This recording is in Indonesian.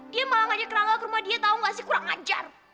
dia malah ngajak rangga ke rumah dia tau gak sih kurang ajar